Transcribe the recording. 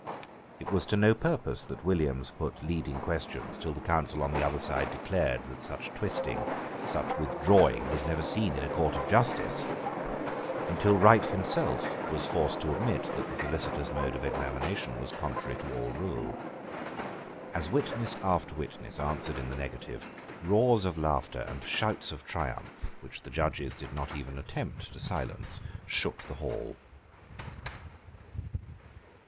It was to no purpose that Williams put leading questions till the counsel on the other side declared that such twisting, such wiredrawing, was never seen in a court of justice, and till Wright himself was forced to admit that the Solicitor's mode of examination was contrary to all rule. As witness after witness answered in the negative, roars of laughter and shouts of triumph, which the judges did not even attempt to silence, shook the hall.